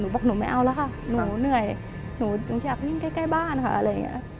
บอกหนูไม่เอาแล้วค่ะหนูเหนื่อยหนูอยากวิ่งใกล้บ้านค่ะอะไรอย่างนี้